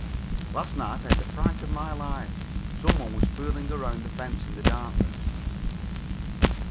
Last night I had the fright of my life. Some one was fooling around the fence in the darkness.